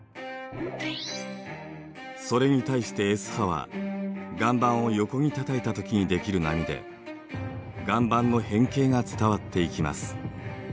それに対してＳ波は岩盤を横にたたいた時にできる波で岩盤の変形が伝わっていきます。